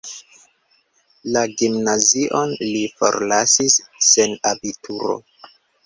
La gimnazion li forlasis sen abituro.